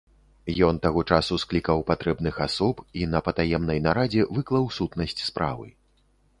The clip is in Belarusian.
Ён таго часу склікаў патрэбных асоб і на патаемнай нарадзе выклаў сутнасць справы.